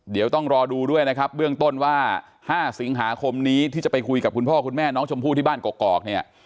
เดี๋ยวต้องรอดูด้วยนะครับเบื้องต้นว่า๕สิงหาคมนี้ที่จะไปคุยกับคุณพ่อคุณแม่น้องชมพู่ที่บ้านกอกเนี่ย